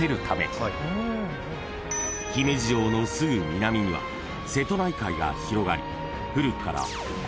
［姫路城のすぐ南には瀬戸内海が広がり］